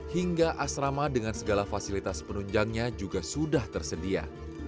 hingga asrama dengan segala fasilitas penunjangnya juga sudah tersedia